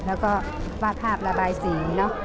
แล้วก็วาดภาพระบายสี